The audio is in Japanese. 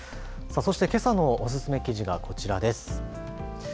そして、けさのおすすめ記事がこちらです。